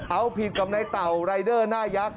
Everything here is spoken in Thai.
เอาผิดกับในเต่ารายเดอร์หน้ายักษ